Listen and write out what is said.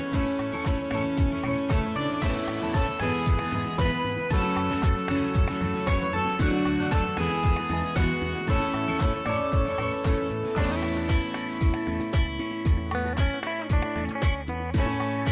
โปรดติดตามตอนต่อไป